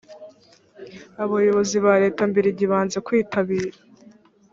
abayobozi ba leta mbirigi banze kwitabira .